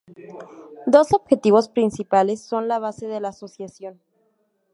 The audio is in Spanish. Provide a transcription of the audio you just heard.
Dos objetivos principales son la base de la asociación.